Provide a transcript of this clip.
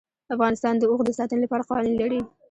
افغانستان د اوښ د ساتنې لپاره قوانین لري.